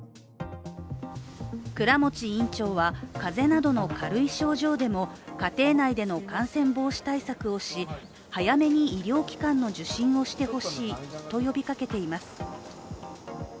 倉持院長は風邪などの軽い症状でも家庭内の感染防止対策をし早めに医療機関の受診をしてほしいと呼びかけています。